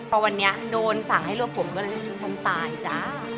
เพราะวันนี้โดนฝากให้รวบผมก็เลยทำให้ผมสั้นตายจ้า